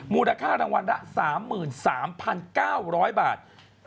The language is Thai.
มูลค่ารางวัลละ๓๓๙๐๐บาท